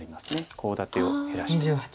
コウ立てを減らして。